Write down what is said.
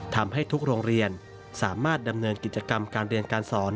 ทำให้ทุกโรงเรียนสามารถดำเนินกิจกรรมการเรียนการสอน